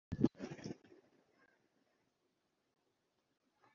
gushyikiriza Inteko Rusange ingingo z’amategeko n’amabwiriza